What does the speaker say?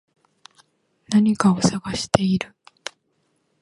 何かを探している